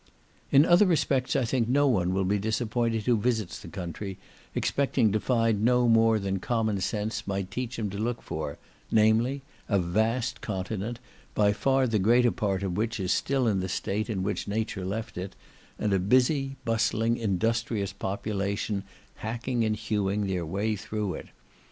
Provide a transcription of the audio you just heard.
In other respects I think no one will be disappointed who visits the country, expecting to find no more than common sense might teach him to look for, namely, a vast continent, by far the greater part of which is still in the state in which nature left it, and a busy, bustling, industrious population, hacking and hewing their way through it.